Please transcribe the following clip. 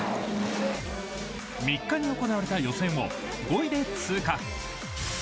３日に行われた予選を５位で通過。